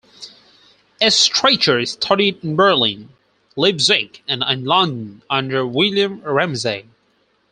Estreicher studied in Berlin, Leipzig, and in London under William Ramsay.